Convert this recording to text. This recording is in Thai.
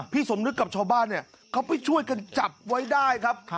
สมนึกกับชาวบ้านเนี่ยเขาไปช่วยกันจับไว้ได้ครับ